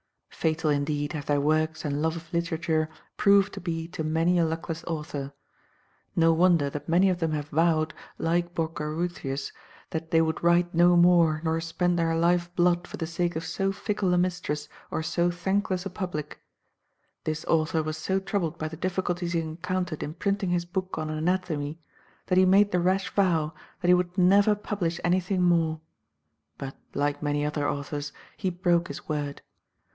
Fatal indeed have their works and love of literature proved to be to many a luckless author. No wonder that many of them have vowed, like Borgarutius, that they would write no more nor spend their life blood for the sake of so fickle a mistress, or so thankless a public. This author was so troubled by the difficulties he encountered in printing his book on Anatomy, that he made the rash vow that he would never publish anything more; but, like many other authors, he broke his word.